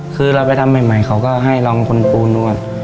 คือเราไปทำใหม่เขาก็ให้ลองคนปูนดูว่า